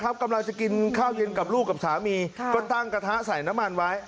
กำลังจะกินข้าวเย็นกับลูกกับสามีก็ตั้งกระทะใส่น้ำมันไว้